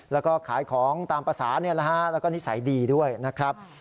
แล้วก็ขายของตามภาษาแล้วก็นิสัยดีด้วยนะครับ